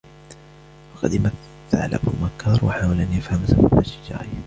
فقَدِم الثعلب المكّار وحاول أن يفهم سبب شجارهما